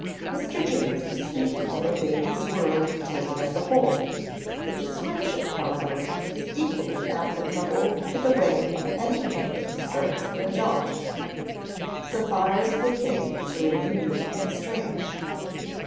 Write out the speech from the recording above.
" Mr. James is speaking of a baby's world taken as a whole; the description, however, is equally applicable to the way any new thing strikes an adult, so far as the thing is really new and strange.